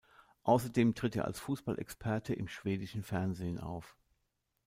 Außerdem tritt er als Fußballexperte im schwedischen Fernsehen auf.